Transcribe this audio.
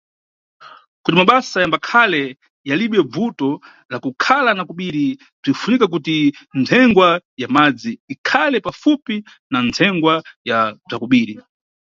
Kuti mabasa yambakhale yalibe bvuto la kukhala na kobiri, bzinʼfunika kuti ntsengwa ya madzi ikhale pafupi na ntsengwa ya bza kobiri.